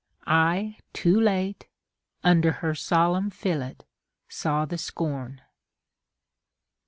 I, too late, Under her solemn fillet saw the scorn.